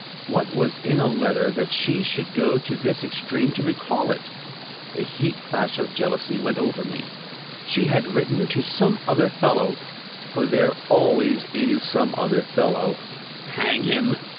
What was in a letter that she should go to this extreme to recall it? A heat flash of jealousy went over me. She had written to some other fellow; for there always is some other fellow, hang him!...